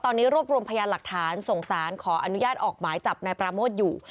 ตอนนี้รวบรวมพยานหลักฐานส่งสารขออนุญาตออกหมายจับนายปราโมทอยู่